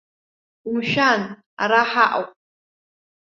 Умшәан, ара ҳаҟоуп!